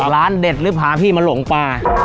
ร้านเด็ดหรือพาพี่มาหลงป่า